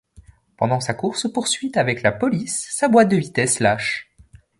Pendant sa course-poursuite avec la police, sa boite de vitesses lâche.